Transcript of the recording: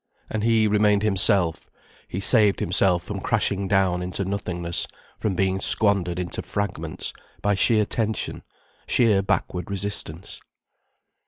And he remained himself, he saved himself from crashing down into nothingness, from being squandered into fragments, by sheer tension, sheer backward resistance.